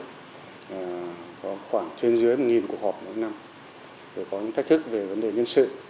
có khoảng trên dưới một cuộc họp mỗi năm để có những thách thức về vấn đề nhân sự